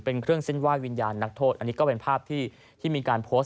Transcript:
เป็นเครื่องเส้นไหว้วิญญาณนักโทษอันนี้ก็เป็นภาพที่มีการโพสต์